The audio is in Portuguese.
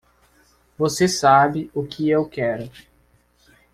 Você sabe o que eu quero.